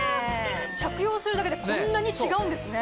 着用するだけでこんなに違うんですね。